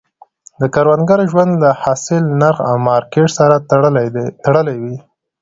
د کروندګر ژوند له حاصل، نرخ او مارکیټ سره تړلی وي.